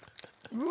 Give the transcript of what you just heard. うわ！